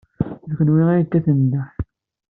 D kenwi ay yekkaten nneḥ.